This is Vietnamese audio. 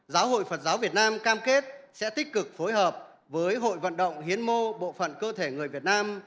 giáo hội phật giáo việt nam cam kết sẽ tích cực phối hợp với hội vận động hiến mô bộ phận cơ thể người việt nam